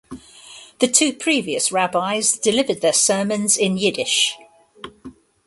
The two previous rabbis delivered their sermons in Yiddish.